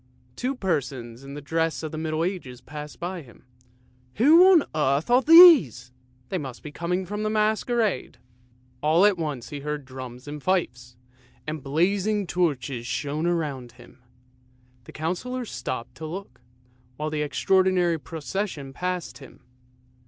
Two persons in the dress of the Middle Ages passed him. " Who on earth are these? They must be coming from a Masquerade." All at once he heard drums and fifes, and blazing torches shone around him; the Councillor stopped to look, while the extraordinary procession passed him.